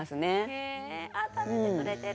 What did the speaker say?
へえあ食べてくれてる。